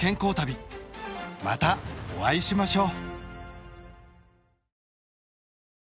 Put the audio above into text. またお会いしましょう！